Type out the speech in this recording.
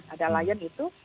ada layan itu